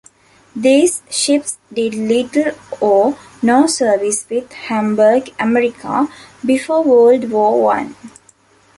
These ships did little or no service with Hamburg-America before World War One.